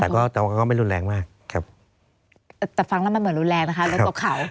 แต่ก็แต่ว่าก็ไม่รุนแรงมากครับแต่ฟังแล้วมันเหมือนรุนแรงนะคะรถตกเขา